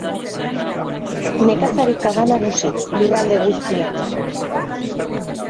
Nekazaritza da nagusi lurralde guztian.